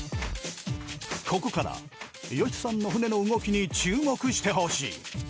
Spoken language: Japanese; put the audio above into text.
ここからヨシさんの船の動きに注目してほしい。